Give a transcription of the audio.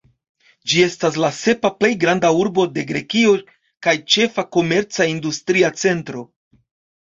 Ĝi estas la sepa plej granda urbo de Grekio kaj ĉefa komerca-industria centro.